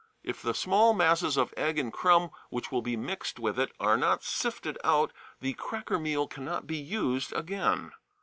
If the small masses of egg and crumb which will be mixed with it are not sifted out the cracker meal cannot be used again.